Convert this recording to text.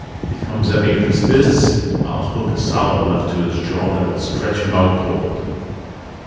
If he comes at me with his fists I'll hook a solid left to his jaw that will stretch him out cold!"